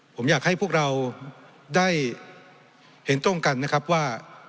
ผมอยากให้พวกเราได้เห็นตรงกันนะครับว่า